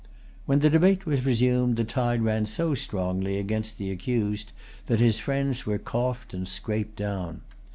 When the debate was resumed, the tide ran so strongly against the accused that his friends were coughed and scraped down.